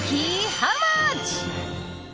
ハウマッチ。